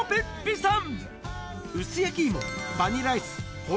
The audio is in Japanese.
さん。